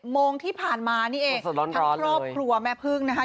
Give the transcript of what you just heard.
๑๑โมงที่ผ่านมาพระครอบครัวแม่พึ่งนะคะ